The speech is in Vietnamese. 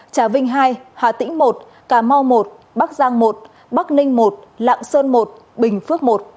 trà vinh hai hà tĩnh một cà mau một bắc giang một bắc ninh một lạng sơn một bình phước một